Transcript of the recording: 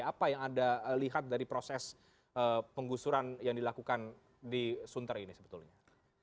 apa yang anda lihat dari proses penggusuran yang dilakukan di sunter ini sebetulnya